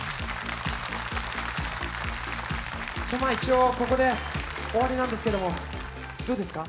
一応、ここで終わりなんですけれども、どうですか？